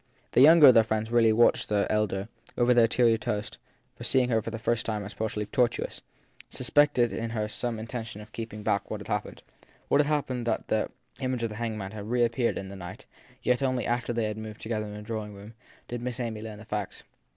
The younger of the friends really watched the elder, over their tea and toast, as if seeing her for the first time as possibly tortuous, suspecting in her some intention of keeping back what had happened. What had happened was that the image of the hanged man had reap peared in the night ; yet only after they had moved together to the drawing room did Miss Amy learn the facts.